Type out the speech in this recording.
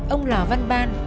ông lò văn ban